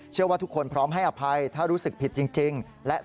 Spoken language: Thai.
เชื่อว่าทุกคนพร้อมให้อภัยถ้ารู้สึกผิดจริง